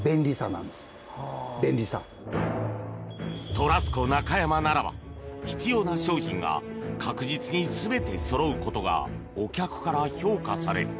トラスコ中山ならば必要な商品が確実に全てそろうことがお客から評価され。